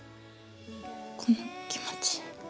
この気持ち。